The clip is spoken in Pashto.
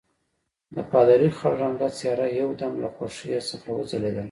د پادري خړ رنګه څېره یو دم له خوښۍ څخه وځلېدله.